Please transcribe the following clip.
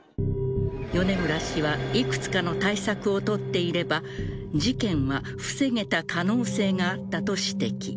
米村氏はいくつかの対策を取っていれば事件は防げた可能性があったと指摘。